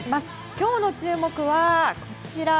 今日の注目はこちら。